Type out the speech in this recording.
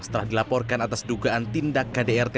setelah dilaporkan atas dugaan tindak kdrt